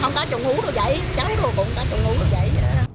không có trụng hú rồi vậy cháu rồi cũng có trụng hú rồi vậy